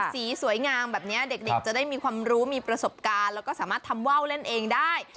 สีสวยงามแบบนี้เด็กจะได้มีความรู้มีประสบการณ์แล้วก็สามารถทำว่าวเล่นเองได้